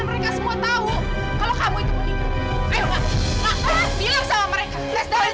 memang mau mencari kamu bukan anaknya pasurya dan neng